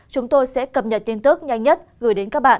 chúng tôi sẽ cập nhật tin tức nhanh nhất gửi đến các bạn